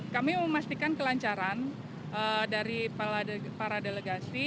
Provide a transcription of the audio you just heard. kami memastikan kelancaran dari para delegasi